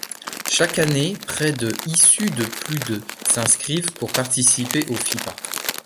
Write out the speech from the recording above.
Chaque année près de issus de plus de s’inscrivent pour participer au Fipa.